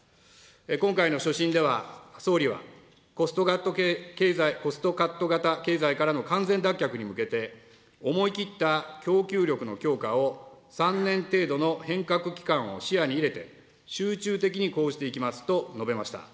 今回の所信では総理はコストカット型経済からの完全脱却に向けて、思い切った供給力の強化を、３年程度の変革期間を視野に入れて集中的に講じていきますと述べました。